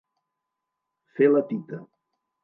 Fer la tita.